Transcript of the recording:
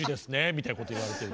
みたいなこと言われてる。